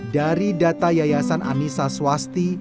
dari data yayasan anissa swasti